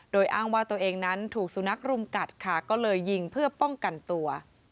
โดยอ้างว่าตัวเองนั้นถูกสุนัขรุมกัดค่ะก็เลยยิงเพื่อป้องกันตัว